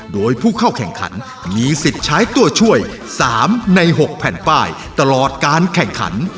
โดยผู้เข้าแข่งขันมีสิทธิ์ใช้ตัวช่วย๓ใน๖แผ่นป้ายตลอดการแข่งขัน